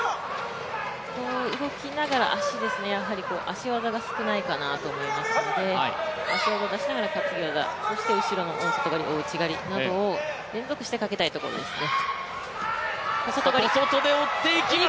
動きながら足ですね、足技が少ないかなと思いますので、足技出しながら担ぎ技、そして後ろの大外刈り、大内刈りを連続してかけたいところですね。